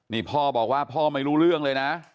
นี่พ่อบอกว่าพ่อไม่รู้เรื่องเลยนะ